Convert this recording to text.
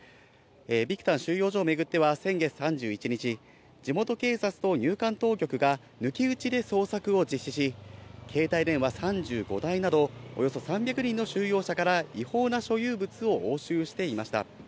ビクタン収容所を巡っては先月３１日、地元警察と入管当局が抜き打ちで捜索を実施し、携帯電話３５台など、およそ３００人の収容者から違法な所有物を押収していました。